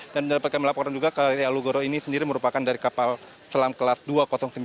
dan melaporkan juga kri alugoro ini sendiri merupakan dari kapal selam kelas dua ratus sembilan